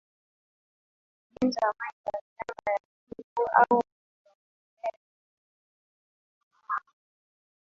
ujenzi wa amani kwa niaba ya Chifu au Mndewana mengineyo yanayorandana na hayo